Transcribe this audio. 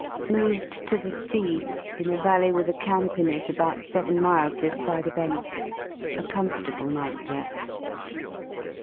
Moved to The C , in a valley with a camp in it about seven miles this side of M A comfortable night there.